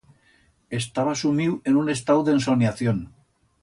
Estaba sumiu en un estau d'ensoniación.